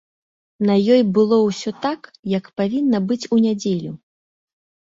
На ёй было ўсё так, як павінна быць у нядзелю.